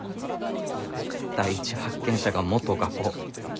第一発見者が元画工。